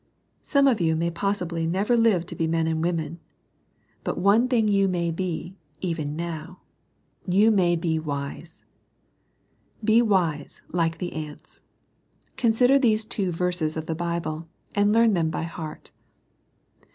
Some of you may possibly never live to LITTLE AND WISE. 6r be men and women. But one thing you may be, even now : you may be wise. Be wise, like the ants. Consider these two verses of the Bible, and learn them by heart.